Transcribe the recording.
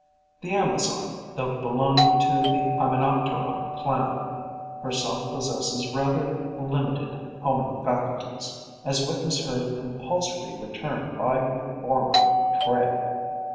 The Amazon, though belonging to the Hymenopteron clan, herself possesses rather limited homing faculties, as witness her compulsory return by her former trail.